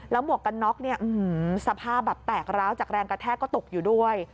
แล้วหมวกกันน็อกสภาพแปลกร้าวจากแรงกระแทกก็ตกอยู่ด้วย